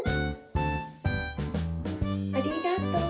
ありがとう。